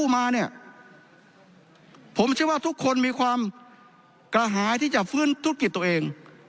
มาเนี่ยผมเชื่อว่าทุกคนมีความกระหายที่จะฟื้นธุรกิจตัวเอง